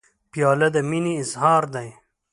پیاله د مینې اظهار دی.